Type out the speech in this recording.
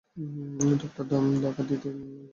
Doctor ডাকিতে একজন লোক পাঠানো হইল।